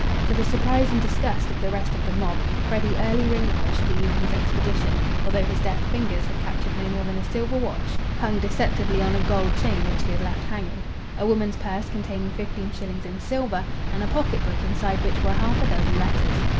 To the surprise and disgust of the rest of the "mob," Freddy early relinquished the evening's expedition, although his deft fingers had captured no more than a silver watch (hung deceptively on a gold chain, which he had left hanging), a woman's purse containing fifteen shillings in silver, and a pocket book inside which were half a dozen letters.